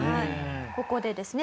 ここでですね